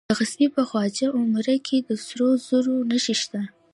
د غزني په خواجه عمري کې د سرو زرو نښې شته.